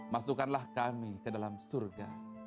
masukkanlah kami ke dalam surga